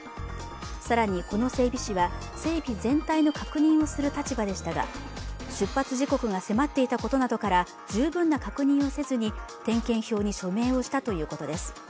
更にこの整備士は、整備全体の確認をする立場でしたが出発時刻が迫っていたことなどから十分な確認をせずに点検表に署名をしたということです。